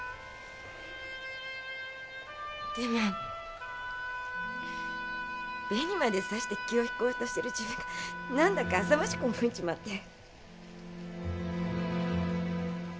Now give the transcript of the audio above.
でも紅までさして気を引こうとしてる自分が何だかあさましく思えちまって。